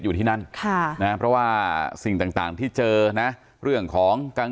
อยู่ที่นั่นค่ะนะเพราะว่าสิ่งต่างที่เจอนะเรื่องของกลาง